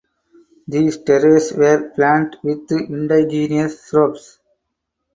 These terraces were planted with indigenous shrubs.